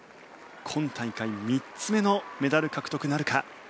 今大会３つ目のメダル獲得なるか。